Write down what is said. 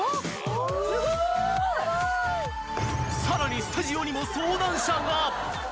［さらにスタジオにも相談者が］